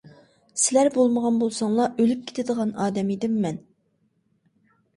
سىلەر بولمىغان بولساڭلار ئۆلۈپ كېتىدىغان ئادەم ئىدىم مەن.